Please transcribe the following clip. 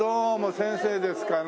先生ですかね？